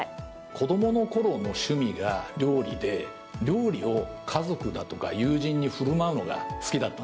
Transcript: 子供のころの趣味が料理で料理を家族だとか友人に振る舞うのが好きだったんですね。